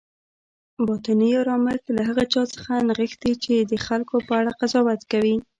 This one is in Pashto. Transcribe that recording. باطني آرامښت له هغه چا څخه تښتي چی د خلکو په اړه قضاوت کوي